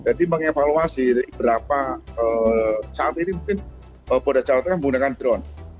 jadi mengevaluasi berapa saat ini mungkin boda jawa tengah menggunakan drone